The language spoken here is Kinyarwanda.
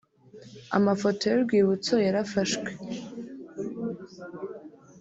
Amafoto y'urwibutso yarafashwe